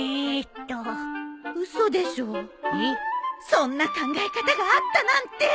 そんな考え方があったなんて！